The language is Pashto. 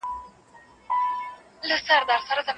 که واک ښځي ته ورکړل سي دوی به ژر جلا سي.